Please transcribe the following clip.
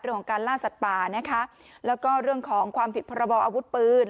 เรื่องของการล่าสัตว์ป่านะคะแล้วก็เรื่องของความผิดพรบออาวุธปืน